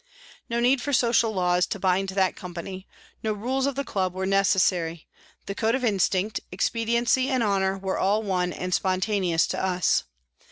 No need for social laws to bind that company, no rules of the club were necessary, the code of instinct, expediency and honour were all one and spontaneous to us.